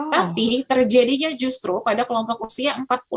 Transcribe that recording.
tapi terjadinya justru pada kelompok usia empat puluh enam lima puluh sembilan